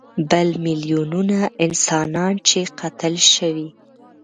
بل میلیونونه انسانان چې قتل شوي.